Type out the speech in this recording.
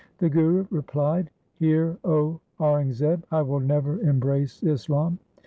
The Guru replied, ' Hear, 0 Aurangzeb, I will never embrace Islam.